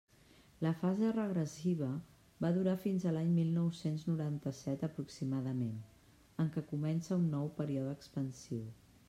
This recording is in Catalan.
La fase regressiva va durar fins a l'any mil nou-cents noranta-set aproximadament, en què comença un nou període expansiu.